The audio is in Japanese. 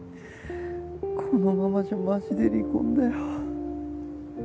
このままじゃマジで離婚だよ。